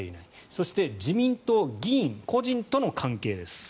そして自民党議員個人との関係です。